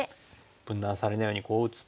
分断されないようにこう打つと。